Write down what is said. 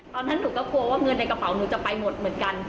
ตอนนั้นหนูก็กลัวว่าเงินในกระเป๋าหนูจะไปหมดเหมือนกัน